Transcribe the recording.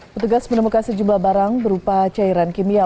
petugas menemukan sejumlah barang berupa cairan kimia